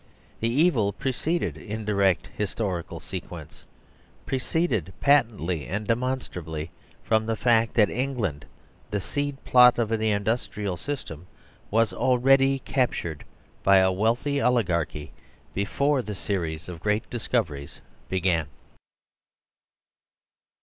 The evil proceeded indirect historical sequence, proceeded patently and demonstrably , from the fact that England, the seed plot of the Industrial System, was already captured by a wealthy oligarchy before the series of great discoveries began.